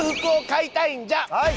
はい！